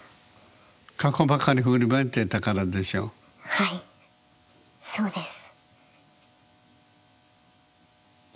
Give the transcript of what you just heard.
はいそうです。